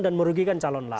dan merugikan calon lain